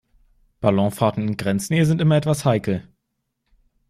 Ballonfahrten in Grenznähe sind immer etwas heikel.